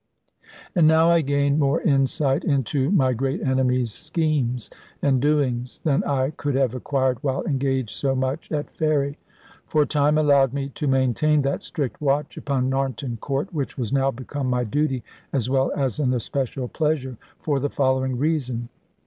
And now I gained more insight into my great enemy's schemes and doings, than I could have acquired while engaged so much at ferry. For time allowed me to maintain that strict watch upon Narnton Court, which was now become my duty, as well as an especial pleasure, for the following reason.